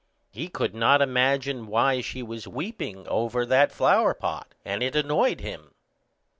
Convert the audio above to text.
He could not imagine why she was weeping over that flower pot, and it annoyed him.